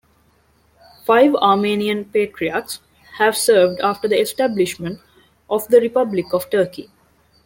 Five Armenian Patriarchs have served after the establishment of the Republic of Turkey.